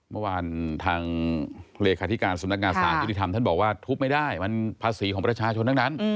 เมื่อวานทางเลขาธิการสำนักงานสารยุติธรรมท่านบอกว่าทุบไม่ได้มันภาษีของประชาชนทั้งนั้น